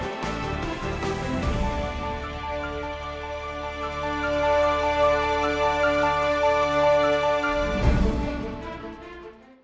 โปรดติดตามตอนต่อไป